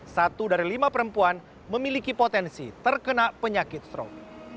satu dari lima perempuan memiliki potensi terkena penyakit stroke